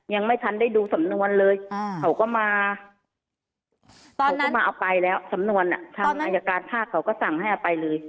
ยังไม่ทันได้ดูสำนวนเลยเขาก็มาเขาก็มาเอาไปแล้วสำนวนทางอายการภาคเขาก็สั่งให้เอาไปเลย